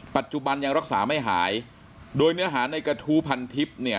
ปัจจุบันยังรักษาไม่หายโดยเนื้อหาในกระทู้พันทิพย์เนี่ย